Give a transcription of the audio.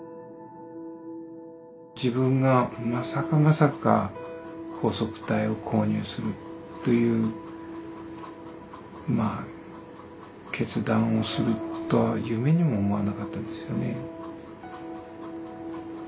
自分がまさかまさか拘束帯を購入するという決断をするとは夢にも思わなかったですよね。